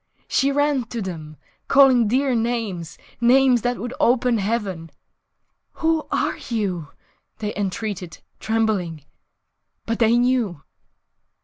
She ran to them, Calling dear names, (Names that would open heaven) "Who are you?" they entreated, trembling .... But they knew!